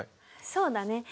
そうだね。